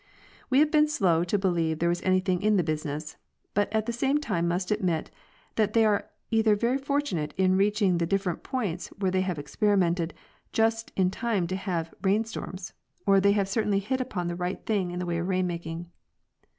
We have been slow to believe there was anything in this business, but at the same time must admit that they are either very fortunate in reaching the different points where they have experimented just in time to have rain storms, or they have certainly hit upon the right thing in the way of rain making.